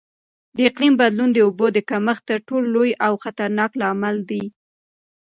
د اقلیم بدلون د اوبو د کمښت تر ټولو لوی او خطرناک لامل دی.